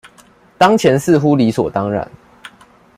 當前似乎理所當然